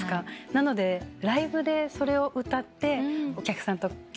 なのでライブでそれを歌ってお客さんと共感し合えたとき。